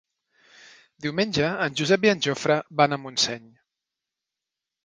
Diumenge en Josep i en Jofre van a Montseny.